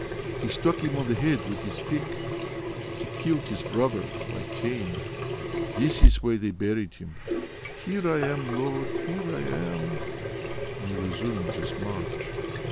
He struck him on the head with his pick. He killed his brother ... like Cain. This is where they buried him.... Here I am, Lord, here I am!" And he resumed his march.